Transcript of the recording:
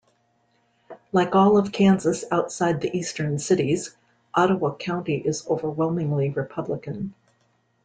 Like all of Kansas outside the eastern cities, Ottawa County is overwhelmingly Republican.